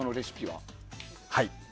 はい。